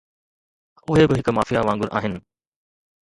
. اهي به هڪ مافيا وانگر آهن